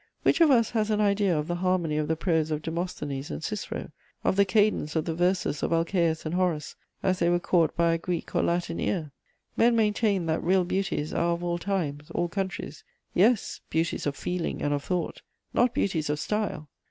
Which of us has an idea of the harmony of the prose of Demosthenes and Cicero, of the cadence of the verses of Alcæus and Horace, as they were caught by a Greek or Latin ear? Men maintain that real beauties are of all times, all countries: yes, beauties of feeling and of thought; not beauties of style.